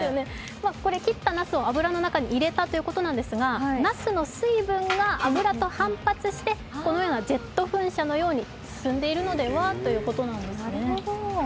これ、切ったなすを油の中に入れたということですが、なすの水分が油と反発してこのようなジェット噴射のように進んでいるのでは？ということなんですね。